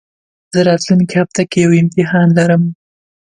زه راتلونکي هفته کي يو امتحان لرم